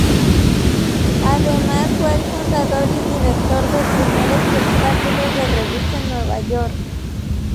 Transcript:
Además fue el fundador y director del primer espectáculo de Revista en New York.